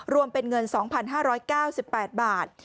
รวมเป็นเงิน๒๕๙๘บาท